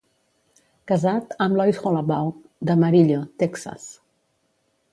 Casat amb Lois Hollabaugh d'Amarillo (Texas).